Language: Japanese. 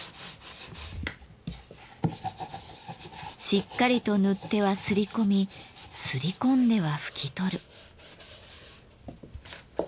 しっかりと塗ってはすり込みすり込んでは拭き取る。